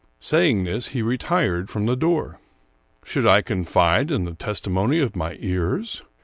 Saying this, he retired from the door. Should I confide in the testimony of my ears?